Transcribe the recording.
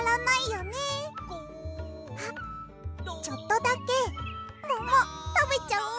あっちょっとだけももたべちゃおう。